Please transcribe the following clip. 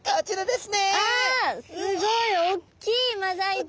すごいおっきいマダイちゃん。